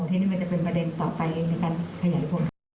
ทีนี้มันจะเป็นประเด็นต่อไปในการขยายผลคดี